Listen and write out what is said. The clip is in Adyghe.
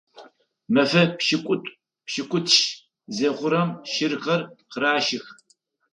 Мэфэ пшӏыкӏутӏу-пшӏыкӏутщ зыхъурэм щырхэр къыращых.